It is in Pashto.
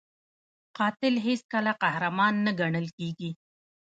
قاتل هیڅکله قهرمان نه ګڼل کېږي